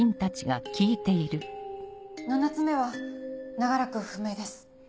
７つ目は長らく不明です。